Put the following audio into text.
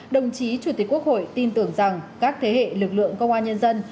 đồng chí chủ tịch quốc hội tin tưởng rằng các thế hệ lực lượng công an nhân dân